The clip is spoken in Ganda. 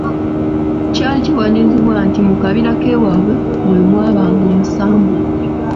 Kyali kiwanuuzibwa nti mu kabira k’ewaabwe mwe mwabanga omusambwa.